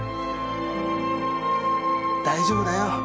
大丈夫だよ